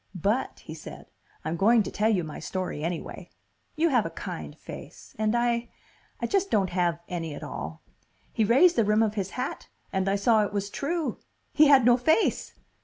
"But," he said, "I'm going to tell you my story anyway. You have a kind face. And I I just don't have any at all." He raised the rim of his hat and I saw it was true! He had no face!